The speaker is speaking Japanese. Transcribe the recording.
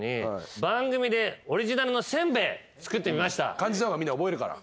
感じた方がみんな覚えるから。